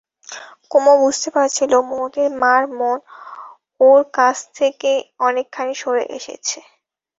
কুমু বুঝতে পারছিল, মোতির মার মন ওর কাছ থেকে অনেকখানি সরে এসেছে।